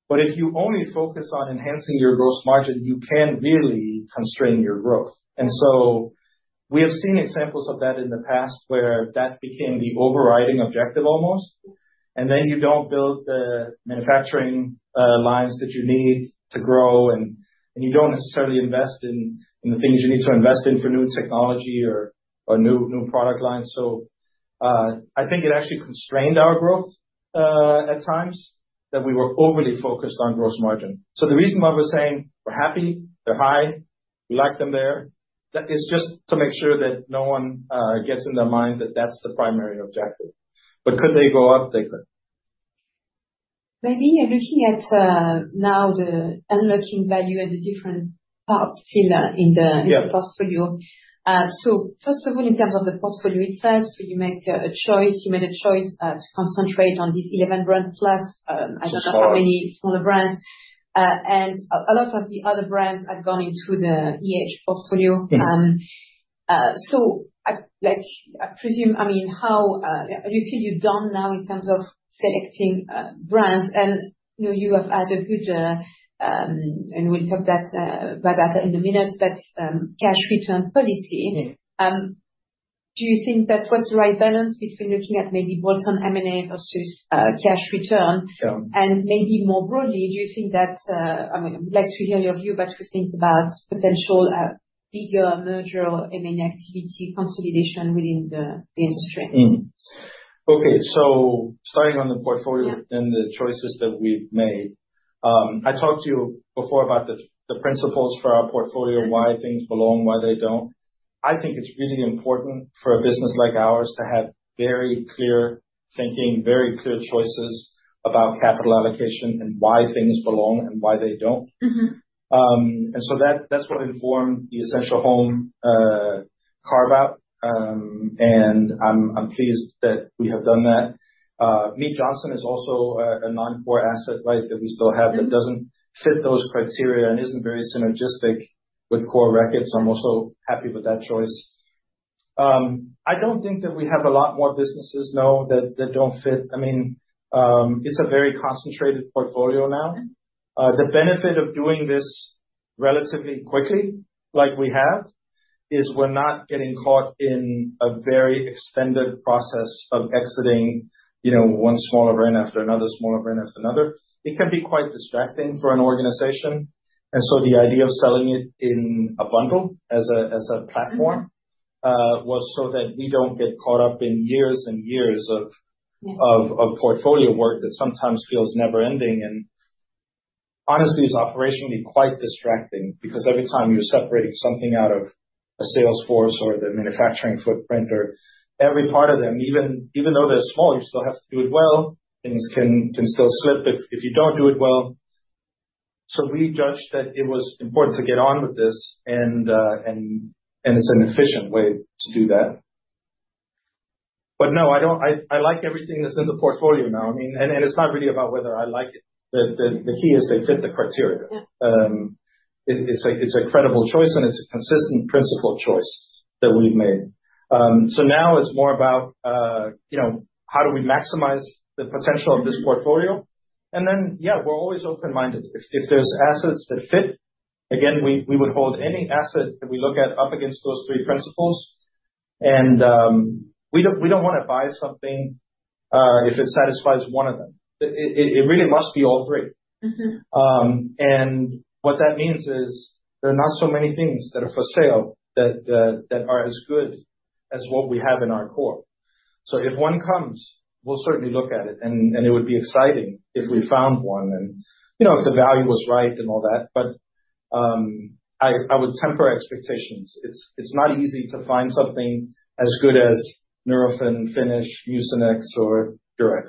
but if you only focus on enhancing your gross margin, you can't really constrain your growth, and so we have seen examples of that in the past where that became the overriding objective almost. Then you don't build the manufacturing lines that you need to grow, and you don't necessarily invest in the things you need to invest in for new technology or new product lines. So I think it actually constrained our growth at times that we were overly focused on gross margin. So the reason why we're saying we're happy, they're high, we like them there, is just to make sure that no one gets in their mind that that's the primary objective. But could they go up? They could. Maybe looking at now the unlocking value and the different parts still in the portfolio. So first of all, in terms of the portfolio itself, so you make a choice. You made a choice to concentrate on these 11 brands plus, I don't know how many smaller brands. And a lot of the other brands have gone into the portfolio. So I presume, I mean, how do you feel you've done now in terms of selecting brands? And you have had a good, and we'll talk about that in a minute, but cash return policy. Do you think that's the right balance between looking at maybe bolt-on M&A versus cash return? And maybe more broadly, do you think that I would like to hear your view, but we think about potential bigger merger or M&A activity consolidation within the industry? Okay. So starting on the portfolio and the choices that we've made, I talked to you before about the principles for our portfolio, why things belong, why they don't. I think it's really important for a business like ours to have very clear thinking, very clear choices about capital allocation and why things belong and why they don't. And so that's what informed the Essential Home carve-out, and I'm pleased that we have done that. Mead Johnson is also a non-core asset, right, that we still have that doesn't fit those criteria and isn't very synergistic with Core Reckitt. I'm also happy with that choice. I don't think that we have a lot more businesses now that don't fit. I mean, it's a very concentrated portfolio now. The benefit of doing this relatively quickly like we have is we're not getting caught in a very extended process of exiting one smaller brand after another, smaller brand after another. It can be quite distracting for an organization, and so the idea of selling it in a bundle as a platform was so that we don't get caught up in years and years of portfolio work that sometimes feels never-ending. And honestly, it's operationally quite distracting because every time you're separating something out of a sales force or the manufacturing footprint or every part of them, even though they're small, you still have to do it well. Things can still slip if you don't do it well, so we judged that it was important to get on with this, and it's an efficient way to do that, but no, I like everything that's in the portfolio now. I mean, and it's not really about whether I like it. The key is they fit the criteria. It's a credible choice, and it's a consistent principled choice that we've made. So now it's more about how do we maximize the potential of this portfolio? And then, yeah, we're always open-minded. If there's assets that fit, again, we would hold any asset that we look at up against those three principles. And we don't want to buy something if it satisfies one of them. It really must be all three. And what that means is there are not so many things that are for sale that are as good as what we have in our core. So if one comes, we'll certainly look at it, and it would be exciting if we found one and if the value was right and all that. But I would temper expectations. It's not easy to find something as good as Nurofen, Finish, Mucinex, or Durex.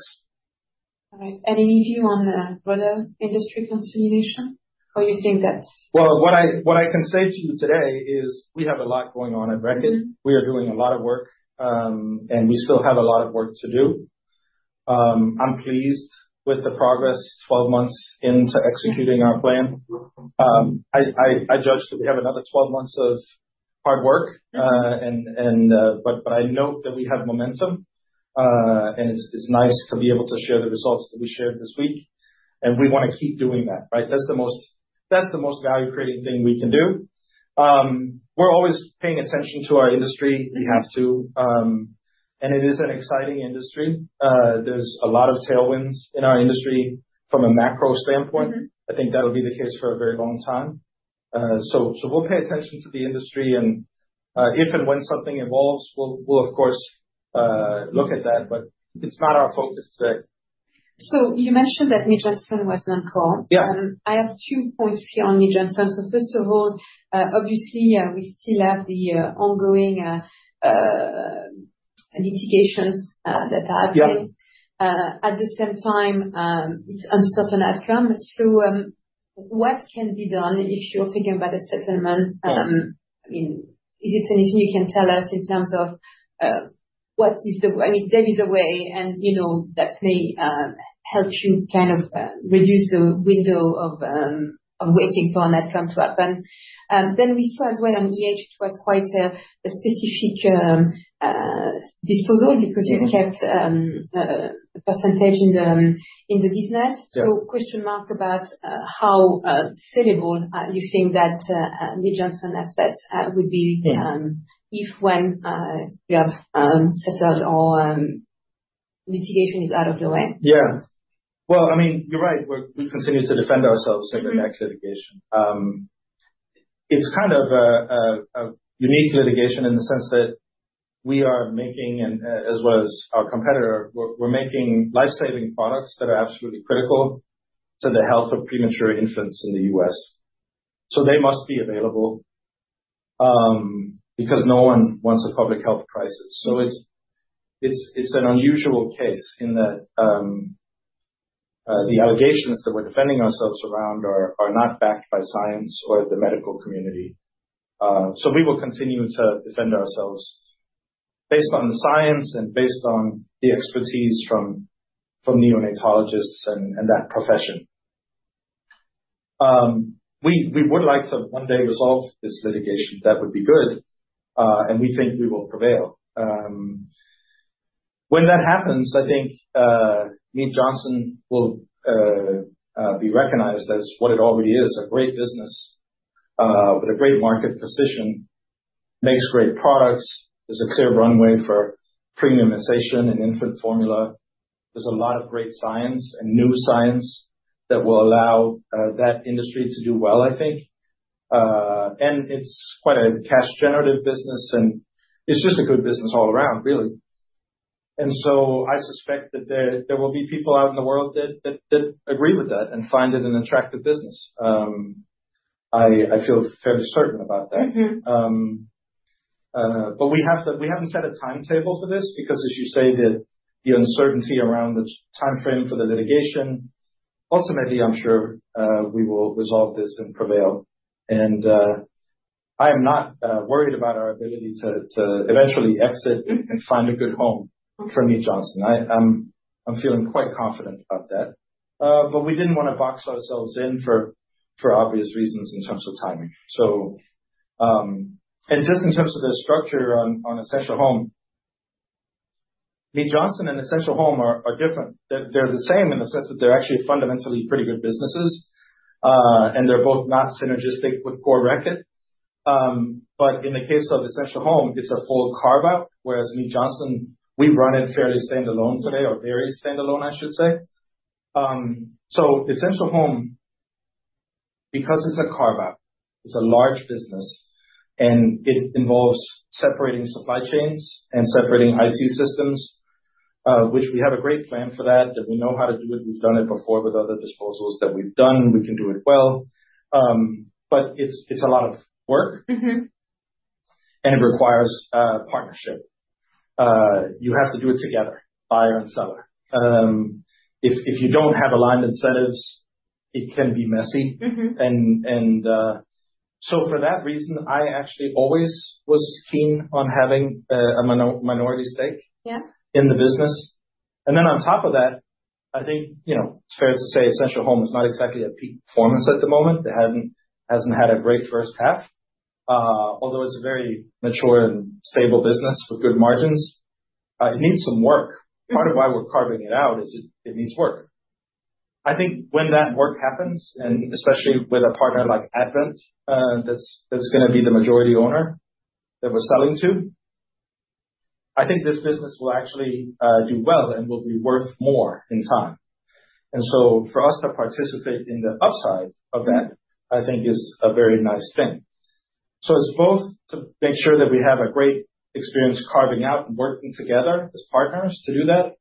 All right. Any view on the broader industry consolidation? Or you think that's? What I can say to you today is we have a lot going on at Reckitt. We are doing a lot of work, and we still have a lot of work to do. I'm pleased with the progress 12 months into executing our plan. I judge that we have another 12 months of hard work, but I note that we have momentum, and it's nice to be able to share the results that we shared this week. And we want to keep doing that, right? That's the most value-creating thing we can do. We're always paying attention to our industry. We have to. And it is an exciting industry. There's a lot of tailwinds in our industry from a macro standpoint. I think that'll be the case for a very long time. So we'll pay attention to the industry, and if and when something evolves, we'll, of course, look at that, but it's not our focus today. So you mentioned that Mead Johnson was non-core. I have two points here on Mead Johnson. So first of all, obviously, we still have the ongoing litigations that are happening. At the same time, it's uncertain outcome. So what can be done if you're thinking about a settlement? I mean, is it anything you can tell us in terms of what is the I mean, there is a way, and that may help you kind of reduce the window of waiting for an outcome to happen. Then we saw as well on it was quite a specific disposal because you kept a percentage in the business. So, how sellable do you think that Mead Johnson asset would be if when you have settled or litigation is out of the way? Yeah. Well, I mean, you're right. We continue to defend ourselves in the next litigation. It's kind of a unique litigation in the sense that we are making, as well as our competitor, we're making lifesaving products that are absolutely critical to the health of premature infants in the U.S. So they must be available because no one wants a public health crisis. So it's an unusual case in that the allegations that we're defending ourselves around are not backed by science or the medical community. So we will continue to defend ourselves based on the science and based on the expertise from neonatologists and that profession. We would like to one day resolve this litigation. That would be good, and we think we will prevail. When that happens, I think Mead Johnson will be recognized as what it already is, a great business with a great market position, makes great products. There's a clear runway for premiumization and infant formula. There's a lot of great science and new science that will allow that industry to do well, I think. And it's quite a cash-generative business, and it's just a good business all around, really. And so I suspect that there will be people out in the world that agree with that and find it an attractive business. I feel fairly certain about that. But we haven't set a timetable for this because, as you say, the uncertainty around the timeframe for the litigation, ultimately, I'm sure we will resolve this and prevail. And I am not worried about our ability to eventually exit and find a good home for Mead Johnson. I'm feeling quite confident about that. But we didn't want to box ourselves in for obvious reasons in terms of timing. And just in terms of the structure on Essential Home, Mead Johnson and Essential Home are different. They're the same in the sense that they're actually fundamentally pretty good businesses, and they're both not synergistic with Core Reckitt. But in the case of Essential Home, it's a full carve-out, whereas Mead Johnson, we run it fairly standalone today or very standalone, I should say. So Essential Home, because it's a carve-out, it's a large business, and it involves separating supply chains and separating IT systems, which we have a great plan for that, that we know how to do it. We've done it before with other disposals that we've done. We can do it well. But it's a lot of work, and it requires partnership. You have to do it together, buyer and seller. If you don't have aligned incentives, it can be messy. And so for that reason, I actually always was keen on having a minority stake in the business. And then on top of that, I think it's fair to say Essential Home is not exactly at peak performance at the moment. It hasn't had a great first half, although it's a very mature and stable business with good margins. It needs some work. Part of why we're carving it out is it needs work. I think when that work happens, and especially with a partner like Advent that's going to be the majority owner that we're selling to, I think this business will actually do well and will be worth more in time. And so for us to participate in the upside of that, I think, is a very nice thing. So it's both to make sure that we have a great experience carving out and working together as partners to do that,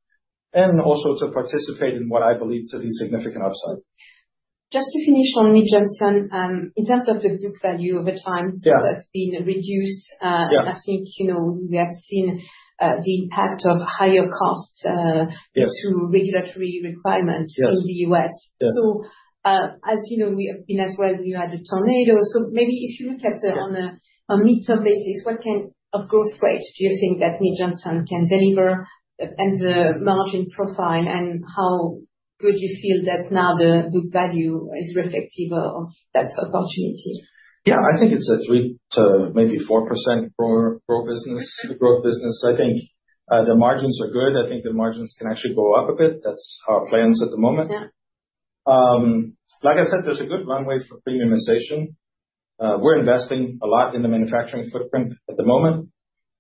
and also to participate in what I believe to be significant upside. Just to finish on Mead Johnson, in terms of the book value over time, that's been reduced. And I think we have seen the impact of higher costs to regulatory requirements in the US. So as you know, we have been as well near the tornado. So maybe if you look at it on a midterm basis, what kind of growth rate do you think that Mead Johnson can deliver and the margin profile, and how good you feel that now the book value is reflective of that opportunity? Yeah, I think it's a 3% to maybe 4% growth business. I think the margins are good. I think the margins can actually go up a bit. That's our plans at the moment. Like I said, there's a good runway for premiumization. We're investing a lot in the manufacturing footprint at the moment.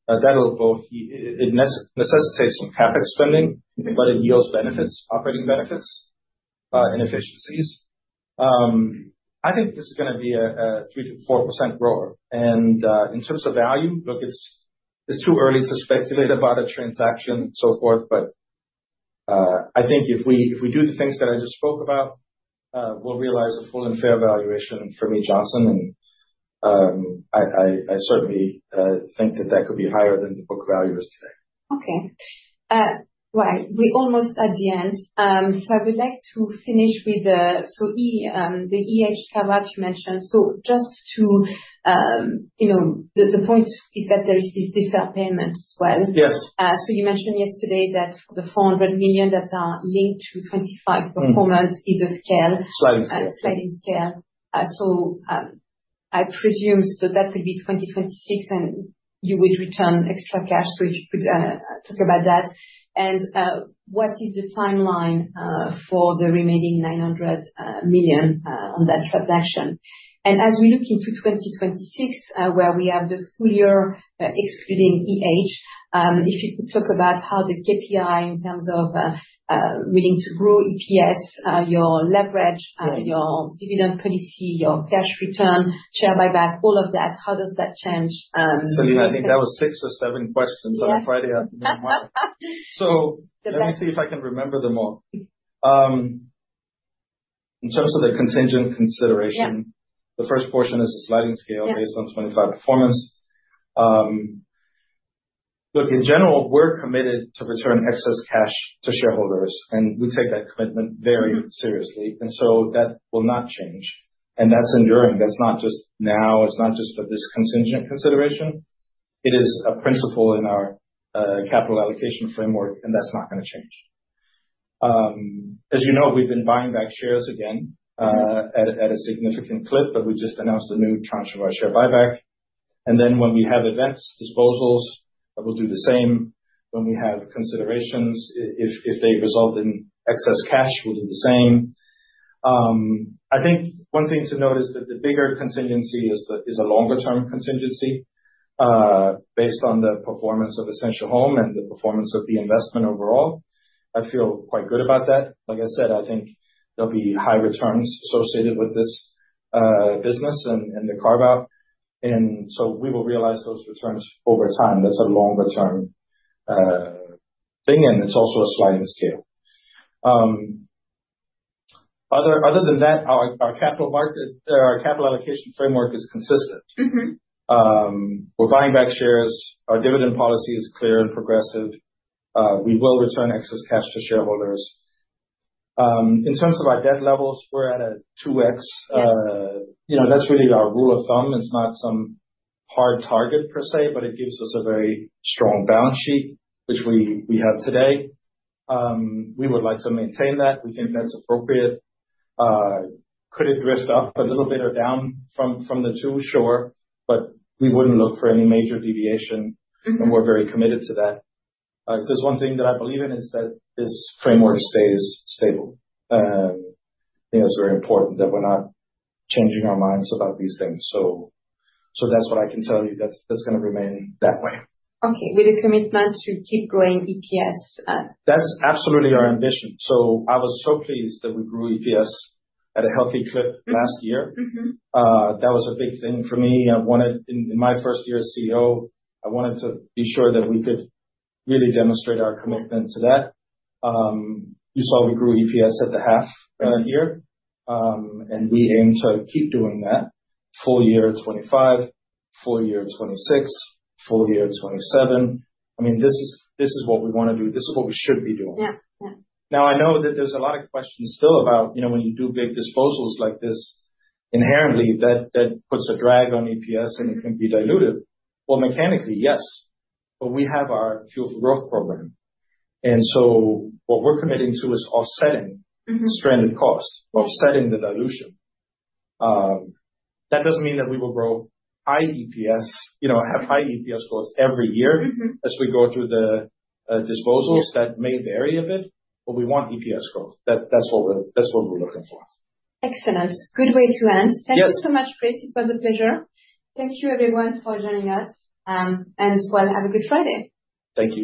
That'll both necessitate some CapEx spending, but it yields benefits, operating benefits, and efficiencies. I think this is going to be a 3%-4% grower. And in terms of value, look, it's too early to speculate about a transaction and so forth, but I think if we do the things that I just spoke about, we'll realize a full and fair valuation for Mead Johnson. And I certainly think that that could be higher than the book value is today. Okay. Right. We're almost at the end. So I would like to finish with the carve-out you mentioned. So just to the point is that there is this deferred payment as well. So you mentioned yesterday that the 400 million that are linked to 2025 performance is escrowed. Sliding scale. Sliding scale. I presume that that will be 2026, and you would return extra cash. If you could talk about that. What is the timeline for the remaining 900 million on that transaction? As we look into 2026, where we have the full year excluding, if you could talk about how the KPI in terms of willing to grow EPS, your leverage, your dividend policy, your cash return, share buyback, all of that, how does that change? Celine, I think that was six or seven questions on a Friday afternoon. So let me see if I can remember them all. In terms of the contingent consideration, the first portion is a sliding scale based on 25 performance. Look, in general, we're committed to return excess cash to shareholders, and we take that commitment very seriously. And so that will not change. And that's enduring. That's not just now. It's not just for this contingent consideration. It is a principle in our capital allocation framework, and that's not going to change. As you know, we've been buying back shares again at a significant clip, but we just announced a new tranche of our share buyback. And then when we have events, disposals, we'll do the same. When we have considerations, if they result in excess cash, we'll do the same. I think one thing to note is that the bigger contingency is a longer-term contingency based on the performance of Essential Home and the performance of the investment overall. I feel quite good about that. Like I said, I think there'll be high returns associated with this business and the carve-out. And so we will realize those returns over time. That's a longer-term thing, and it's also a sliding scale. Other than that, our capital allocation framework is consistent. We're buying back shares. Our dividend policy is clear and progressive. We will return excess cash to shareholders. In terms of our debt levels, we're at a 2x. That's really our rule of thumb. It's not some hard target per se, but it gives us a very strong balance sheet, which we have today. We would like to maintain that. We think that's appropriate. Could it drift up a little bit or down from the 2? Sure, but we wouldn't look for any major deviation, and we're very committed to that. If there's one thing that I believe in, it's that this framework stays stable. I think it's very important that we're not changing our minds about these things. So that's what I can tell you. That's going to remain that way. Okay. With a commitment to keep growing EPS? That's absolutely our ambition. So I was so pleased that we grew EPS at a healthy clip last year. That was a big thing for me. In my first year as CEO, I wanted to be sure that we could really demonstrate our commitment to that. You saw we grew EPS at the half year, and we aim to keep doing that full year 2025, full year 2026, full year 2027. I mean, this is what we want to do. This is what we should be doing. Now, I know that there's a lot of questions still about when you do big disposals like this, inherently, that puts a drag on EPS, and it can be diluted. Well, mechanically, yes, but we have our Fuel for Growth program. And so what we're committing to is offsetting stranded cost, offsetting the dilution. That doesn't mean that we will grow high EPS, have high EPS growth every year as we go through the disposals that may vary a bit, but we want EPS growth. That's what we're looking for. Excellent. Good way to end. Thank you so much, Kris. It was a pleasure. Thank you, everyone, for joining us. And, well, have a good Friday. Thank you.